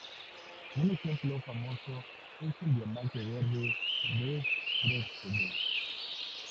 Un ejemplo famoso es el diamante Verde de Dresde.